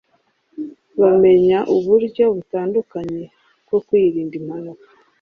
bamenya uburyo butandukanye bwo kwirinda impanuka